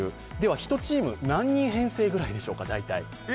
１チーム、大体何人編成ぐらいでしょうか？